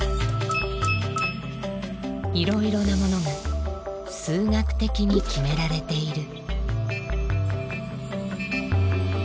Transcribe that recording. いろいろなものが数学的に決められている。